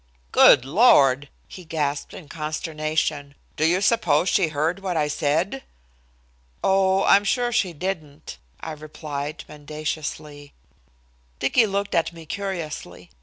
"Good Lord!" he gasped in consternation. "Do you suppose she heard what I said?" "Oh, I'm sure she didn't," I replied mendaciously. Dicky looked at me curiously.